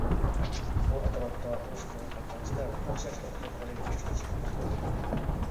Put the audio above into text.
بۇ ئەتراپتا ئۇرۇش قىلىۋاتقان جەڭچىلەر ئوخشاشلا ئۇخلىمىغىلى ئۈچ كېچە-كۈندۈز بولدى.